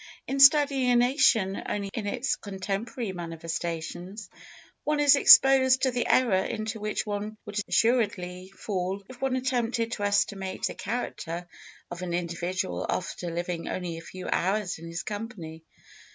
In studying a nation only in its contemporary manifestations, one is exposed to the error into which one would assuredly fall if one attempted to estimate the character of an individual after living only a few hours in his company.